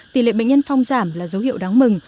tỷ lệ bệnh nhân phong giảm là dấu hiệu đáng mừng